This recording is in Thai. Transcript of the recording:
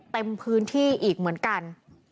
เต็มพื้นที่อีกเหมือนกัน